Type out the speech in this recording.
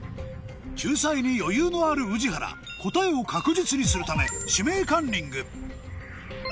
救済に余裕のある宇治原答えを確実にするため「指名カンニング」